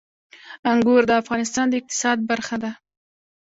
انګور د افغانستان د اقتصاد برخه ده.